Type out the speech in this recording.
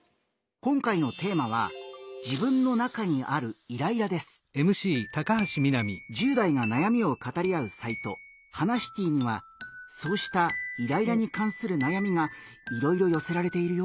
今回のテーマは１０代がなやみを語り合うサイト「ハナシティ」にはそうしたイライラに関するなやみがいろいろよせられているよ。